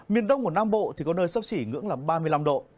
miền đông của nam bộ thì có nơi sấp xỉ ngưỡng là ba mươi năm độ